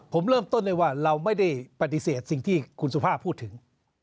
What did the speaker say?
ผมเริ่มต้นได้ว่าเราไม่ได้ปฏิเสธสิ่งที่คุณสุภาพพูดถึง